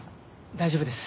大丈夫です。